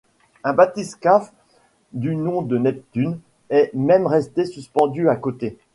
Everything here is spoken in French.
Un bathyscaphe du nom de Neptune est même resté suspendu à côté.